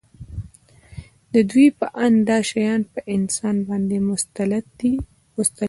د دوی په اند دا شیان په انسان باندې مسلط وو